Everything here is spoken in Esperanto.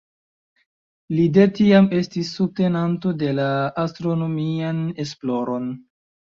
Li de tiam estis subtenanto de la astronomian esploron.